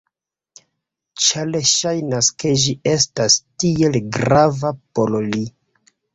Ĉar ŝajnas ke ĝi estas tiel grava por li.